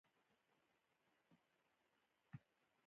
چوپتیا، د وقار نښه ده.